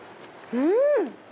うん！